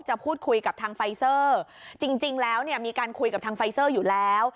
จะพูดคุยกับทางไฟซ่อจริงแล้วมีการคุยกับทางไฟซ่ออยู่แล้ว